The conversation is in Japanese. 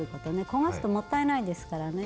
焦がすともったいないですからね。